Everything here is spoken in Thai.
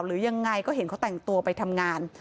หรือยังไงก็เห็นเขาแต่งตัวไปทำงาน